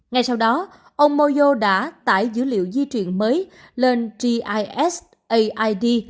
ngay sau đó ông moyo đã tải dữ liệu di chuyển mới lên gis aid